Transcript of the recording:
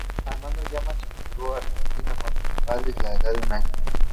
Armando Llamas emigró a Argentina con sus padres a la edad de un año.